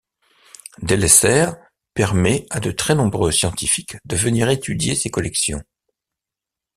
Delessert permet à de très nombreux scientifiques de venir étudier ses collections.